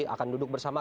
akan duduk bersama